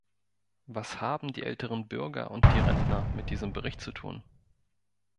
Was haben die älteren Bürger und die Rentner mit diesem Bericht zu tun?